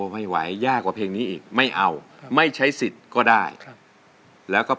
นะครับเพลงที่จะเปลี่ยนอินโทรมาเลยครับ